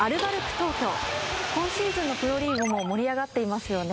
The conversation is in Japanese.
東京今シーズンのプロリーグも盛り上がっていますよね。